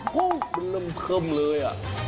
มันเริ่มเพิ่มเลย